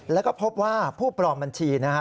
แล้วก็พบว่าผู้ปลอมบัญชีนะฮะ